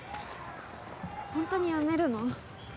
ホントにやめるの？